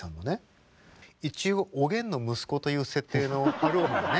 一応おげんの息子という設定の晴臣がね。